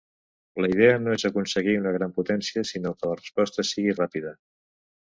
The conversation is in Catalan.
La idea no és aconseguir una gran potència, sinó que la resposta sigui ràpida.